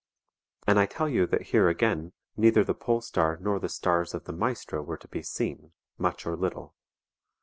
And I tell you that here again neither the Pole star nor the stars of the Maestro ^ were to be seen, much or little.